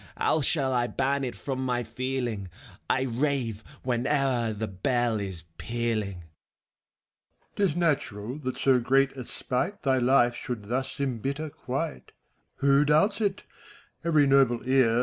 How shall I ban it from my feeling! I rave whene'er the bell is pealing. MEPHISTOPHEI4ES. 'T is natural that so great a spite Thy life should thus imbitter quite. Who doubts itt Every noble ear.